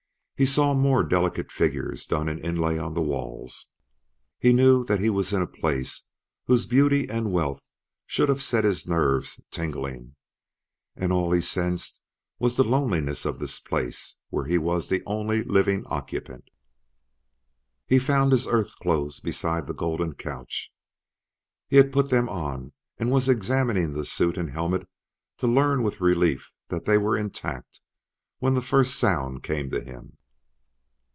He saw more delicate figures done in inlay on the walls; he knew that he was in a place whose beauty and wealth should have set his nerves tingling; and all he sensed was the loneliness of this place where he was the only living occupant. He found his Earth clothes beside the golden couch. He had put them on and was examining the suit and helmet to learn with relief that they were intact when the first sound came to him.